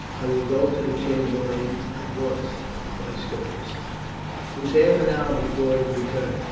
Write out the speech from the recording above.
I will go to the chamberlain at once, my Scopus." It was half an hour before he returned.